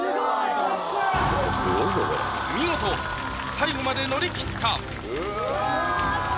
見事最後まで乗り切った！